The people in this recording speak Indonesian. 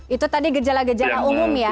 itu tadi gejala gejala umum ya